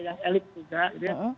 yang elit juga gitu ya